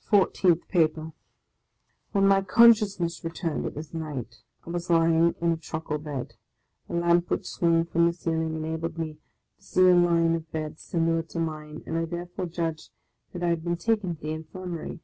FOURTEENTH PAPER WHEN my consciousness returned it was night; I was lying on a truckle bed ; a lamp which swung from the ceiling enabled me to see a line of beds similar to mine, and I therefore judged that I had been taken to the Infirmary.